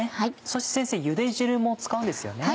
そして先生ゆで汁も使うんですよね？